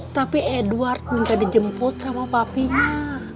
tapi edward minta dijemput sama papinya